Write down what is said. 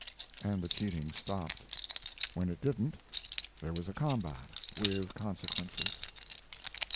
And the cheating stopped. When it didn't, there was a combat, with consequences.